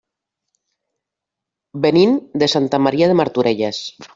Venim de Santa Maria de Martorelles.